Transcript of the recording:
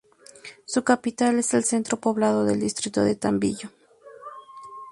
Su capital es el centro poblado del distrito de Tambillo.